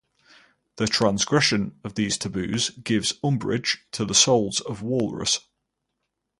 The transgression of these taboos gives umbrage to the souls of walrus.